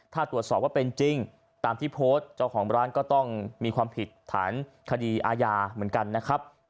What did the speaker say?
ถ้าตรวจสอบว่าเป็นจริงตามที่โพสต์เจ้าของร้านก็ต้องมีความผิดฐานคดีอาญาเหมือนกันนะครับ